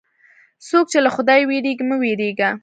څوک چې له خدایه وېرېږي، مه وېرېږه.